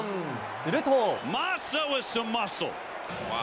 すると。